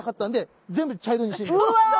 うわ。